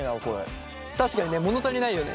確かにね物足りないよね。